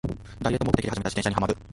ダイエット目的で始めた自転車にハマる